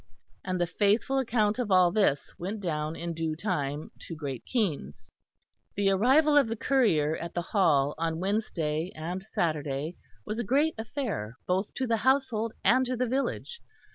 And the faithful account of all this went down in due time to Great Keynes. The arrival of the courier at the Hall on Wednesday and Saturday was a great affair both to the household and to the village.